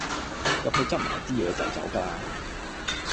入去執埋啲嘢就走架喇